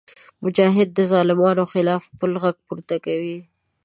مجاهد د ظالمانو خلاف خپل غږ پورته کوي.